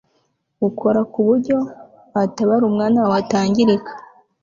ukora kuburyo watabara umwana wawe atangirika